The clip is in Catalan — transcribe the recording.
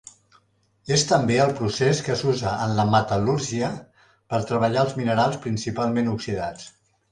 És també el procés que s'usa en la metal·lúrgia, per treballar els minerals principalment oxidats.